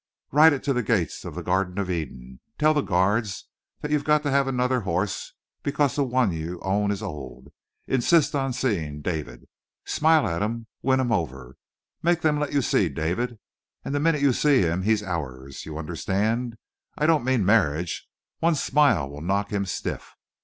Ride it to the gates of the Garden of Eden. Tell the guards that you've got to have another horse because the one you own is old. Insist on seeing David. Smile at 'em; win 'em over. Make them let you see David. And the minute you see him, he's ours! You understand? I don't mean marriage. One smile will knock him stiff.